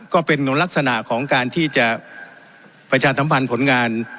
ก็เป็นลักษณะของการที่จะประชาสัมพันธ์ผลงาน